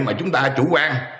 mà chúng ta chủ quan